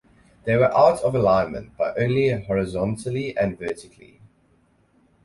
They were out of alignment by only horizontally and vertically.